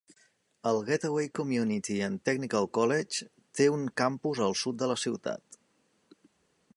El Gateway Community and Technical College té un campus al sud de la ciutat.